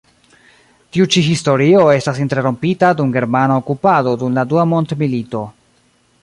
Tiu ĉi historio estas interrompita dum germana okupado dum la Dua mondmilito.